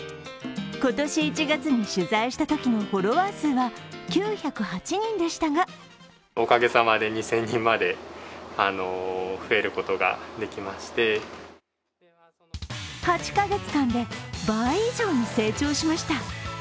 今年１月に取材したときのフォロワー数は９０８人でしたが８カ月間で倍以上に成長しました。